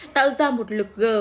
tạo ra một lực g